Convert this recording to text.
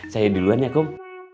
saya duluan ya kum